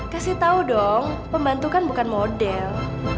kasih tahu dong pembantu kan bukan model